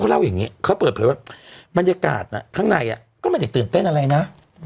เค้าเล่าอย่างงี้เค้าเปิดผลัวว่าบรรยากาศน่ะข้างในน่ะก็ไม่ได้ตื่นเต้นอะไรนะ